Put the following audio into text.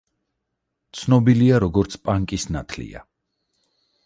ცნობილია, როგორც „პანკის ნათლია“.